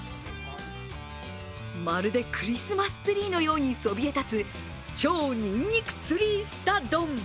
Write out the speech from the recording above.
まるでクリスマスツリーのようにそびえ立つ、超ニンニクツリーすた丼。